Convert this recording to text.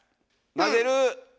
混ぜる